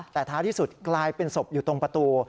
แต่ท้ายที่สุดกลายเป็นศพอยู่ตรงประตู